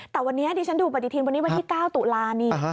แต่วันนี้ดิฉันดูปฏิทินวันนี้วันที่๙ตุลานี่